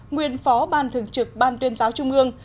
nguyên phó ban thường trực ban tuyên giáo trung ương